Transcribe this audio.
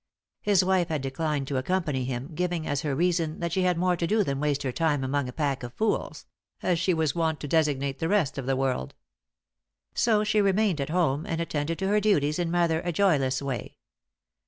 His wife had declined to accompany him, giving as her reason that she had more to do than waste her time among a pack of fools as she was wont to designate the rest of the world. So she remained at home and attended to her duties in rather a joyless way.